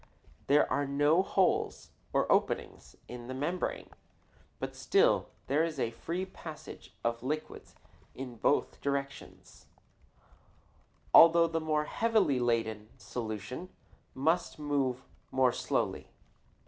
There are no holes, or openings, in the membrane, but still there is a free passage of liquids in both directions, although the more heavily laden solution must move more slowly.